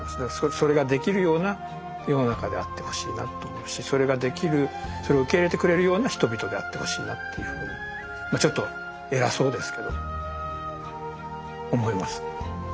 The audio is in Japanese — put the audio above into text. それができるような世の中であってほしいなと思うしそれができるそれを受け入れてくれるような人々であってほしいなというふうにちょっと偉そうですけど思います。